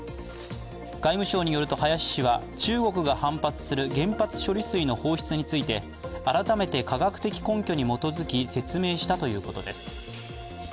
外務省によると林氏は中国が反発する原発処理水の放出について、改めて科学的根拠に基づき説明したということです。